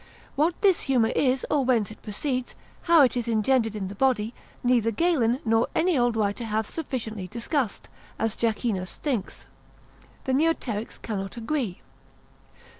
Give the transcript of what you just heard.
What this humour is, or whence it proceeds, how it is engendered in the body, neither Galen, nor any old writer hath sufficiently discussed, as Jacchinus thinks: the Neoterics cannot agree.